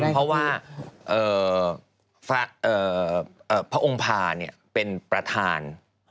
เพราะว่าพระองค์ภาเป็นประธาน